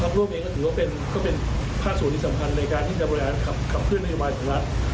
ความร่วมเองก็ถือว่าเป็นภาพส่วนที่สำคัญในการที่จะบรรยากาศขับเพื่อนรัฐบาลของรัฐ